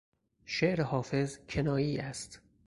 شعر حافظ کنایی است.